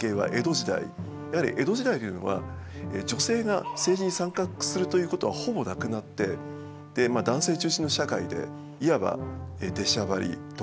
やはり江戸時代というのは女性が政治に参画するということはほぼなくなってまあ男性中心の社会でいわば出しゃばりとかですね